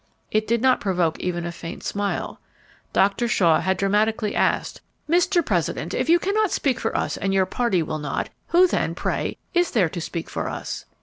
It did not provoke even a faint smile. Dr. Shaw had dramatically asked, "Mr. President, if you cannot speak for us and your party will not, who then, pray, is there to speak for us?"